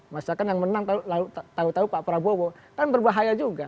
masyarakat yang menang lalu tau tau pak prabowo kan berbahaya juga